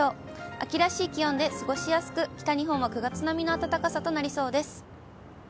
秋らしい気温で、過ごしやすく、北日本は９月並みの暖かさとなりそうです。